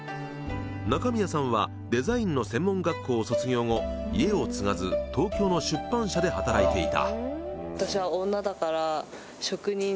中宮さんはデザインの専門学校を卒業後家を継がず東京の出版社で働いていた。